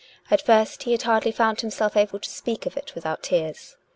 At first he had hardly found himself able to speak of it with out tears.